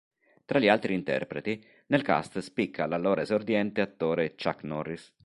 Tra gli altri interpreti, nel cast spicca l'allora esordiente attore Chuck Norris.